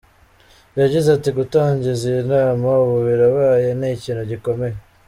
Yagize ati”Gutangiza iyi nama ubu birabaye ni ikintu gikomeye.